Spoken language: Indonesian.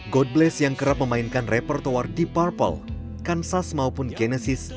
god bless yang kerap memainkan repertoar deep purple kansas maupun genesis